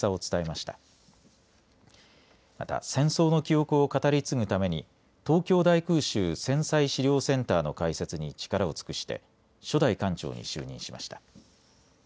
また戦争の記憶を語り継ぐために東京大空襲・戦災資料センターの開設に力を尽くして初代館長に就任しました。